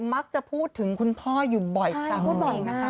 มักจะพูดถึงคุณพ่ออยู่บ่อยครั้งนั่นเองนะคะ